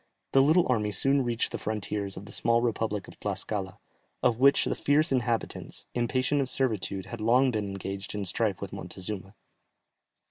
The little army soon reached the frontiers of the small republic of Tlascala, of which the fierce inhabitants, impatient of servitude, had long been engaged in strife with Montezuma.